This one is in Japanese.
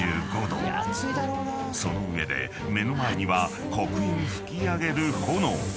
［その上で目の前には黒煙噴き上げる炎］